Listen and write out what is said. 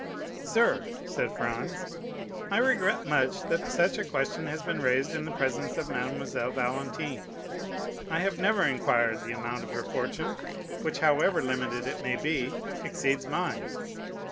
40032m "Sir," said Franz, "I regret much that such a question has been raised in the presence of Mademoiselle Valentine; I have never inquired the amount of her fortune, which, however limited it may be, exceeds mine.